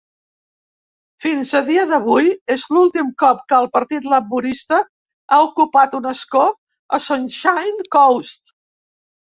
Fins a dia d'avui, és l'últim cop que el Partit Laborista ha ocupat un escó a Sunshine Coast.